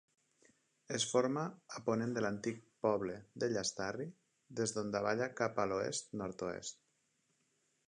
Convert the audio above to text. Es forma a ponent de l'antic poble de Llastarri, des d'on davalla cap a l'oest-nord-oest.